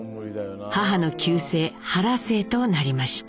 母の旧姓原姓となりました。